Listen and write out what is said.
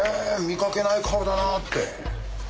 見かけない顔だなぁって。